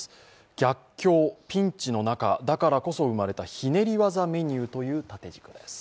逆境、ピンチの中だからこそ生まれたひねり技メニューという話題です。